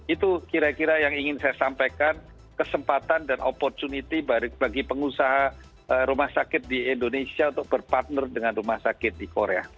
itu kira kira yang ingin saya sampaikan kesempatan dan opportunity bagi pengusaha rumah sakit di indonesia untuk berpartner dengan rumah sakit di korea